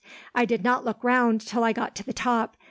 "I did not look round, till I got to the top.